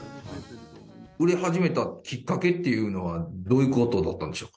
売れ始めたきっかけっていうのは、どういうことだったんでしょう？